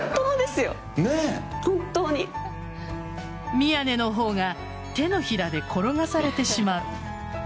宮根の方が手のひらで転がされてしまう。